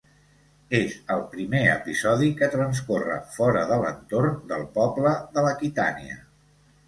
És el primer episodi que transcorre fora de l'entorn del poble de l'Aquitània.